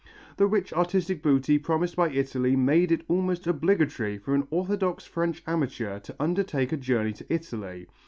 The rich artistic booty promised by Italy made it almost obligatory for an orthodox French amateur to undertake a journey to Italy.